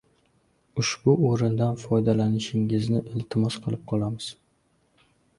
Ushbu o‘rindan foydalanishingizni iltimos qilib qolamiz!